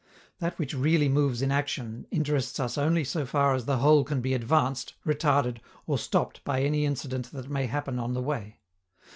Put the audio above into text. That which really moves in action interests us only so far as the whole can be advanced, retarded, or stopped by any incident that may happen on the way.